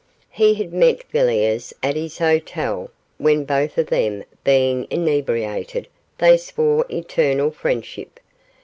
He had met Villiers at his hotel, when both of them being inebriated they swore eternal friendship.